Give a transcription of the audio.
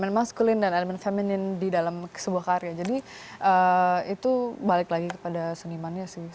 maskulin dan elemen feminin di dalam sebuah karya jadi itu balik lagi kepada senimannya sih